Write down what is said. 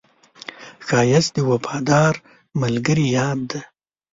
ښایست د وفادار ملګري یاد دی